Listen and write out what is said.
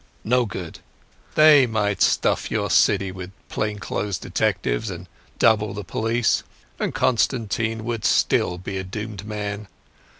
"No good. They might stuff your city with plain clothes detectives and double the police and Constantine would still be a doomed man.